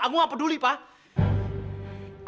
aku gak peduli pak